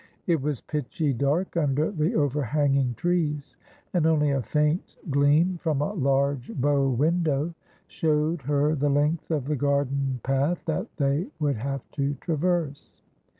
It was pitchy dark under the overhanging trees, and only a faint gleam from a large bow window showed her the length of the garden path that they would have to traverse.